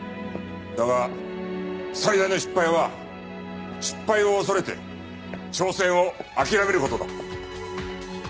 だが最大の失敗は失敗を恐れて挑戦を諦める事だ。